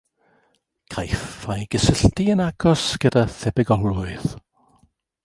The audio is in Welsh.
Caiff ei gysylltu'n agos gyda thebygolrwydd.